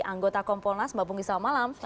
anggota kompolnas mbak punggi selamat malam